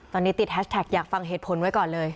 ตอนนี้ติดแฮชแท็กอยากฟังเหตุผลไว้ก่อนเลย